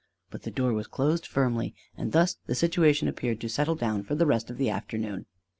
But the door was closed firmly, and thus the situation appeared to settle down for the rest of the afternoon.